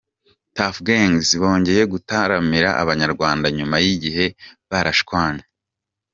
Tuff Gangs bongeye gutaramira abanyarwanda nyuma y’igihe barashwanye